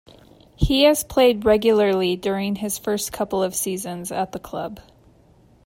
He has played regularly during his first couple of seasons at the club.